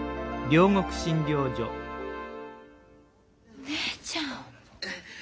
お姉ちゃん。